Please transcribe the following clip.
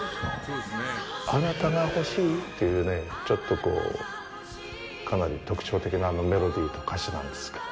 「あなたが欲しい」というね、ちょっとこう、かなり特徴的なメロディと歌詞なんですけど。